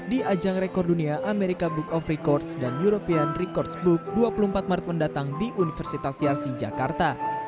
di ajang rekor dunia america book of records dan european records book dua puluh empat maret mendatang di universitas yarsi jakarta